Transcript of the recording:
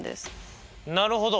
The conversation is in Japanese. なるほど。